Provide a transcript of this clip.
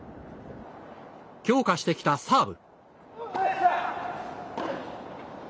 強化してきたサーブ。